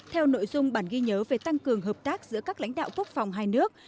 theo nội dung bản ghi nhớ về tăng cường hợp tác giữa các lãnh đạo quốc phòng hai nước